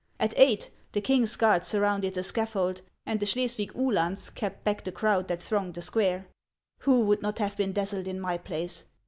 At eight, the king's guards sur rounded the scaffold, and the Schleswig Uhlans kept back the crowd that thronged the square. Who would not have been dazzled in my place